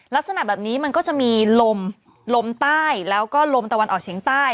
ลักษณะแบบนี้มันก็จะมีลมลมใต้แล้วก็ลมตะวันออกเฉียงใต้